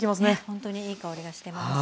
ほんとにいい香りがしてます。